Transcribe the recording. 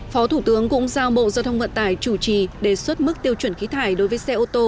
phó thủ tướng cũng giao bộ giao thông vận tải chủ trì đề xuất mức tiêu chuẩn khí thải đối với xe ô tô